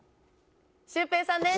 シュウペイさんです。